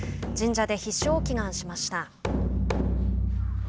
神社で必勝を祈願しました。